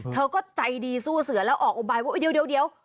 เธอก็ใจดีสู้เสือแล้วออกอุบายว่าเดี๋ยว